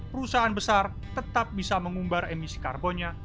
perusahaan besar tetap bisa mengumbar emisi karbonnya